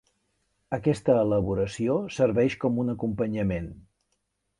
Aquesta elaboració serveix com un acompanyament.